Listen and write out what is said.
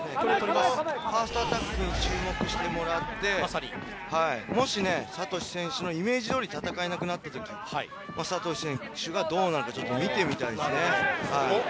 ファーストアタック注目してもらってもし、サトシ選手のイメージ通りに戦えなくなった時どうなるのか見てみたいですね。